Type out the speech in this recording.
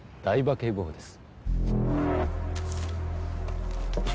警部補です。